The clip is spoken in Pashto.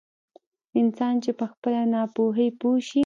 انسان چې په خپلې ناپوهي پوه شي.